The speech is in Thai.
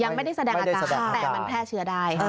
ยังไม่ได้แสดงอาการแต่มันแพร่เชื้อได้